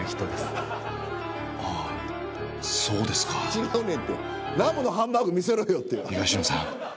違うねんてラムのハンバーグ見せろよって。